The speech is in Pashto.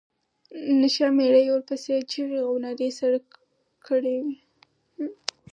نشه مېړه یې ورپسې چيغې او نارې سر کړې وې.